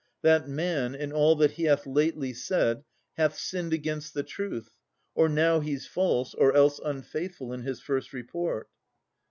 That man, in all that he hath lately said, Hath sinned against the truth: or now he's false, Or else unfaithful in his first report.